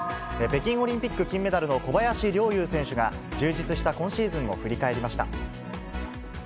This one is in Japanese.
北京オリンピック金メダルの小林陵侑選手が、充実した今シーズンを振り返りました。